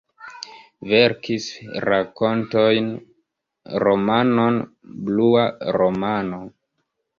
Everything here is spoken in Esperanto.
Verkis rakontojn, romanon "Blua romano".